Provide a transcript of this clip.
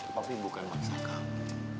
papi bukan maksa kamu